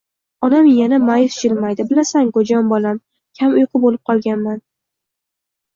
Onam yana ma’yus jilmaydi: — Bilasan-ku, jon bolam, kamuyqu bo‘lib qolganman.